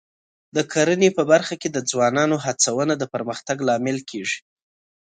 د کرنې په برخه کې د ځوانانو هڅونه د پرمختګ لامل کېږي.